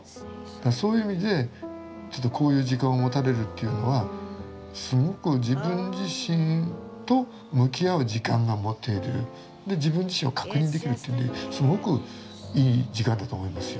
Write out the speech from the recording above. そういう意味でちょっとこういう時間を持たれるというのはすごく自分自身と向き合う時間が持てる自分自身を確認できるっていうんですごくいい時間だと思いますよ。